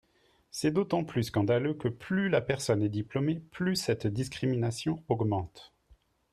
C’est d’autant plus scandaleux que plus la personne est diplômée, plus cette discrimination augmente.